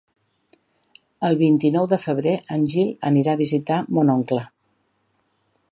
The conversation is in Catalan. El vint-i-nou de febrer en Gil anirà a visitar mon oncle.